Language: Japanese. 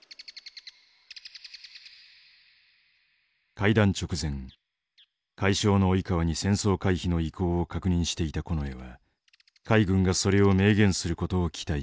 会談直前海相の及川に戦争回避の意向を確認していた近衛は海軍がそれを明言することを期待していた。